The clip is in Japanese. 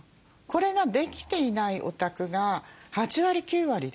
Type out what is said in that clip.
これができていないお宅が８割９割です。